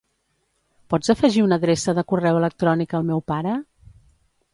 Pots afegir una adreça de correu electrònic al meu pare?